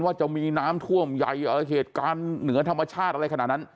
ว่าจะมีน้ำท่วมใหญ่เหตุการณ์เหนือธรรมชาติอะไรขนาดนั้น